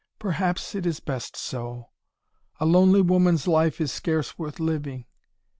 "Perhaps it is best so. A lonely woman's life is scarce worth living.